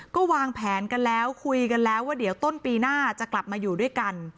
ก็วางแผนกันแล้วคุยกันแล้วว่าเดี๋ยวต้นปีหน้าจะกลับมาอยู่ด้วยกัน